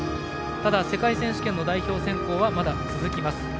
ただ世界選手権の代表選考はまだ続きます。